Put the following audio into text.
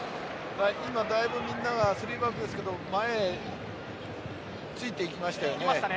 今だいぶ、みんなが３バックですけど前ついて行きましたよね。